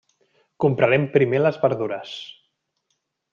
Comprarem primer les verdures.